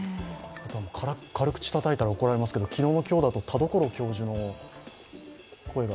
軽口たたいから怒られますけれども、昨日の今日だと田所教授の声が。